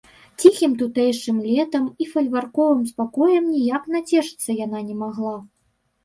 Ціхім тутэйшым летам і фальварковым спакоем ніяк нацешыцца яна не магла.